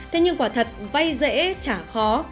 thế nhưng quả thật vay dễ chả khó